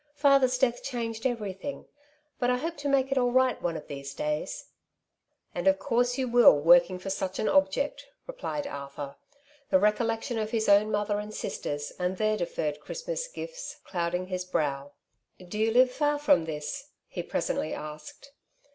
Father's * death changed everything, but I hope to make it all right one of these davs/' '' And of course you will, working for such an object,'^ replied Arthur, the recollection of his own mother and sisters, and their deferred Christmas gifts, clouding his brow. '' Do you live far from this ?'' he presently asked.